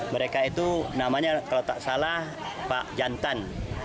mereka itu namanya kalau tak salah pak jantan